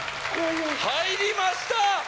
入りました！